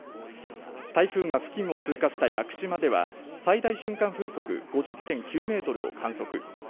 台風が付近を通過した屋久島では、最大瞬間風速５０．９メートルを観測。